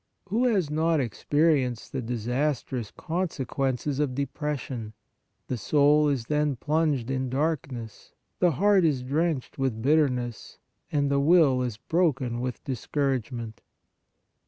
Who has not experienced the dis 145 k On Piety astrous consequences of depression ? The soul is then plunged in darkness, the heart is drenched with bitterness, and the will is broken with discourage ment.